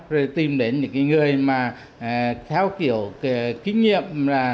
rồi tìm đến những người mà theo kiểu kinh nghiệm là